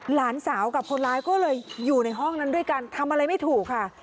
หลานสาวกับคนร้ายก็เลยอยู่ในห้องนั้นด้วยกันทำอะไรไม่ถูกค่ะ